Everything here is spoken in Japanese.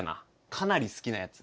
かなり好きなやつ。